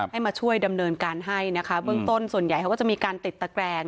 ให้มาช่วยดำเนินการให้นะคะเบื้องต้นส่วนใหญ่เขาก็จะมีการติดตะแกรง